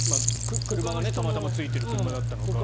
車がたまたまついている車だったのか。